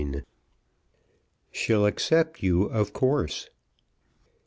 "SHE'LL ACCEPT YOU, OF COURSE."